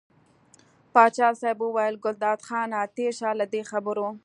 پاچا صاحب وویل ګلداد خانه تېر شه له دې خبرو.